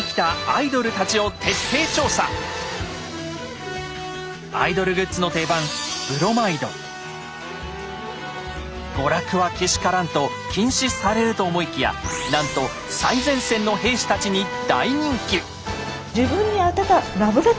アイドルグッズの定番娯楽はけしからんと禁止されると思いきやなんと最前線の兵士たちに大人気！